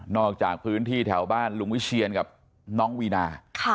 จากพื้นที่แถวบ้านลุงวิเชียนกับน้องวีนา